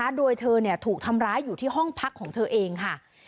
โดยเธอถูกทำร้ายอยู่ที่ห้องพักของเธอเองค่ะ